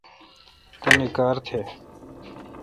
تانی کار تھ۔